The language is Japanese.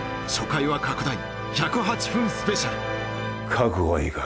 覚悟はいいか